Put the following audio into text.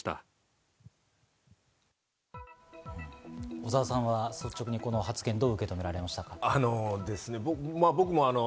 小澤さんは率直にこの発言、どう受け止められましたか？